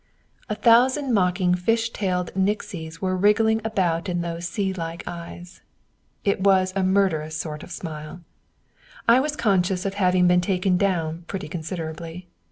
A thousand mocking fish tailed nixies were wriggling about in those sea like eyes. It was a murderous sort of smile. I was conscious of having been taken down pretty considerably.